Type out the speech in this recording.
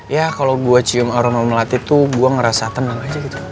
ya kalo gue cium aroma melatik tuh gue ngerasa tenang aja gitu